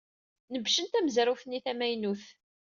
Nebcen tamezrawt-nni tamaynut.